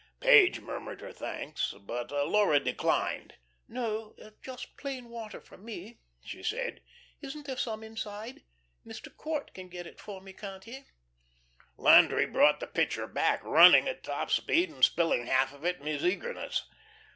Page murmured her thanks, but Laura declined. "No; just plain water for me," she said. "Isn't there some inside? Mr. Court can get it for me, can't he?" Landry brought the pitcher back, running at top speed and spilling half of it in his eagerness.